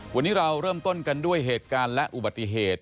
วันนี้เราเริ่มต้นกันด้วยเหตุการณ์และอุบัติเหตุ